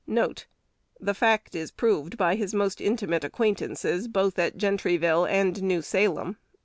1 The fact is proved by his most intimate acquaintances, both at Gentryville and New Salem.